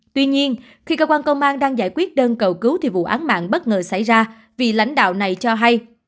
tuy nhiên khi cơ quan công an đang giải quyết đơn cầu cứu thì vụ án mạng bất ngờ xảy ra vì lãnh đạo này cho hay